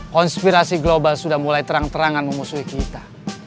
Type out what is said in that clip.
konspirasi global sudah mulai terang terangan memusuhi kita